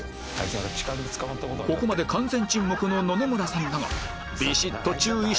ここまで完全沈黙の野々村さんだが